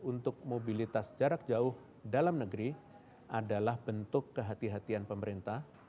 untuk mobilitas jarak jauh dalam negeri adalah bentuk kehatian kehatian pemerintah